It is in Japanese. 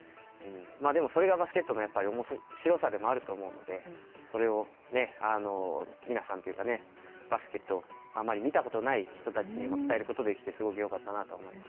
でも、それがバスケットの面白さでもあると思うのでそれを皆さんというか、バスケをあまり見たことない人たちにも伝えることができてすごく良かったなと思います。